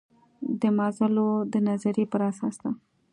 د مازلو د نظریې پر اساس ده.